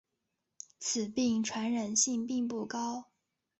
此病传染性并不高。